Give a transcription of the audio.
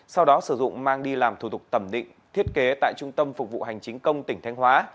sau đó sử dụng mang đi làm thủ tục thẩm định thiết kế tại trung tâm phục vụ hành chính công tỉnh thanh hóa